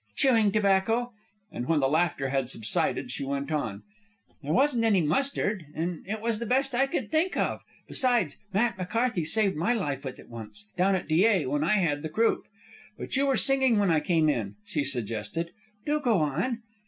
"Chewing tobacco." And when the laughter had subsided, she went on: "There wasn't any mustard, and it was the best I could think of. Besides, Matt McCarthy saved my life with it once, down at Dyea when I had the croup. But you were singing when I came in," she suggested. "Do go on."